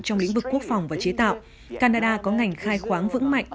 trong lĩnh vực quốc phòng và chế tạo canada có ngành khai khoáng vững mạnh